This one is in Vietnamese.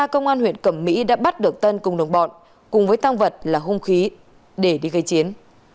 công an huyện cẩm mỹ đã bắt được tân cùng đồng bọn cùng với tăng vật là hung khí để đi gây chiến